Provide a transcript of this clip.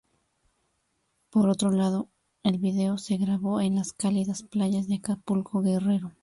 Por otro lado el video se grabó en las cálidas playas de Acapulco, Guerrero.